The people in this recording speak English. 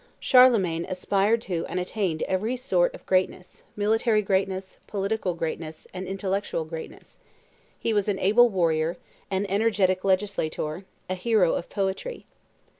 Charlemagne aspired to and attained to every sort of greatness, military greatness, political greatness, and intellectual greatness; he was an able warrior, an energetic legislator, a hero of poetry.